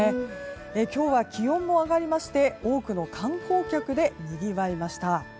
今日は気温も上がりまして多くの観光客でにぎわいました。